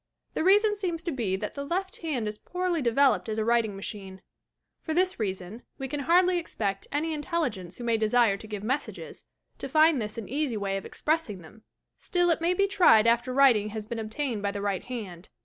The reason seems to be that the left hand is poorly developed as a writing machine. For this reason, we can hardly expect any intelligence who may desire to give messages, to find this an easy way o£ expressing them ! Still it may be tried after writ ing has been obtained by the right hand.